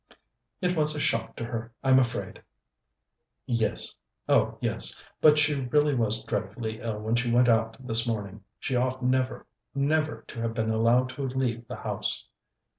"It was a shock to her, I'm afraid." "Yes oh yes; but she really was dreadfully ill when she went out this morning. She ought never, never to have been allowed to leave the house."